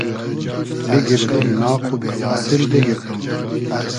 بیگیردوم ناق و بې آسیل بیگیردوم